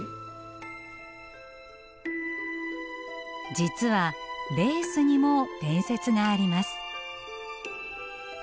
実はレースにも伝説があります。